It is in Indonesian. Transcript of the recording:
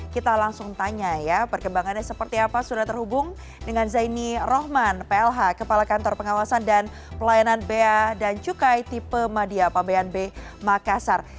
kita langsung tanya ya perkembangannya seperti apa sudah terhubung dengan zaini rohman plh kepala kantor pengawasan dan pelayanan bea dan cukai tipe madia pabean b makassar